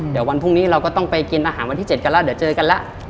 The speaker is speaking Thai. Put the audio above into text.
เดี๋ยววันพรุ่งนี้เราก็ต้องไปกินอาหารวันที่๗กันแล้วเดี๋ยวเจอกันแล้ว